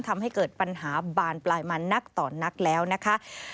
ทำให้เกิดปัญหาบานปลายมานักต่อนักแล้วนะคะ